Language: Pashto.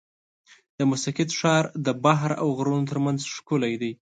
د مسقط ښار د بحر او غرونو ترمنځ ښکلی دی.